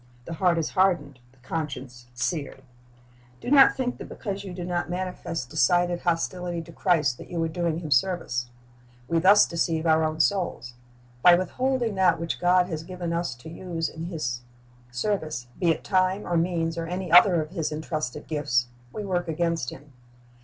The heart is hardened, the conscience seared. Do not think that because you do not manifest decided • Matt. 23 : 3 28o Christ's Object Lessons hostility to Christ you are doing Him service. We thus deceive our own souls. By withholding that which God has eiven us to use in His service, be it time or means or any other of His entrusted gifts, we work against Him.